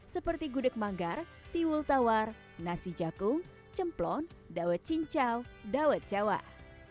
seperti gudang kue dan kue yang diberikan oleh para pengunjung